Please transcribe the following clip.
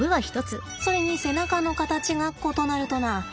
それに背中の形が異なるとな。